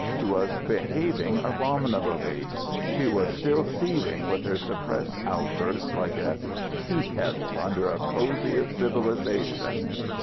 She was behaving abominably. She was still seething with her suppressed outburst like a tea kettle under the cozy of civilization.